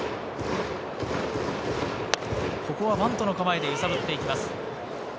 ここはバントの構えで揺さぶっていきます。